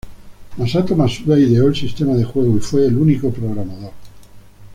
Masato Masuda ideó el sistema de juego y fue el único programador.